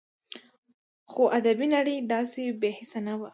خو ادبي نړۍ داسې بې حسه نه وه